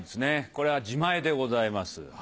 これは自前でございます。